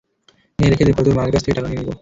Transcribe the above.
নে রেখে দে, পরে তোর মায়ের কাছ থেকে টাকা নিয়ে নিব।